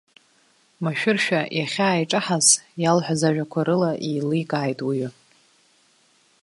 Машәыршәа иахьааиҿаҳаз иалҳәаз ажәақәа рыла иеиликааит уи ҩы.